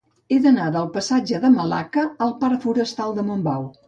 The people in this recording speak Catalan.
He d'anar del passatge de Malacca al parc Forestal de Montbau.